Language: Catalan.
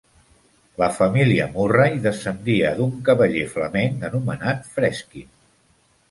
La família Murray descendia d'un cavaller flamenc anomenat Freskin.